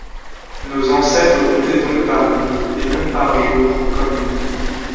Nos ancêtres comptaient donc par nuits et non par jours comme nous.